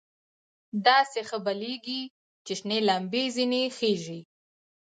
داسې ښه بلېږي چې شنې لمبې ځنې خېژي.